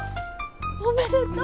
おめでとう！